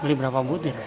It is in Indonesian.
beli berapa butir